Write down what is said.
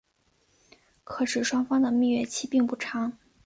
可使双方的蜜月期并不长。